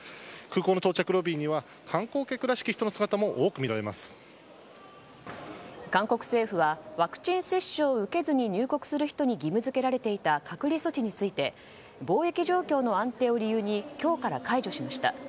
空港の到着ロビーには観光客らしき人の姿も韓国政府はワクチン接種を受けずに入国する人に義務付けられていた隔離措置について防疫状況の安定を理由に今日から解除しました。